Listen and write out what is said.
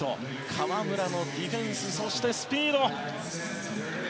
河村のディフェンスそしてスピード。